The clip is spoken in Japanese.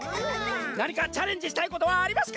なにかチャレンジしたいことはありますか？